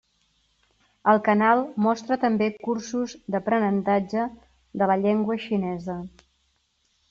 El canal mostra també cursos d'aprenentatge de la llengua xinesa.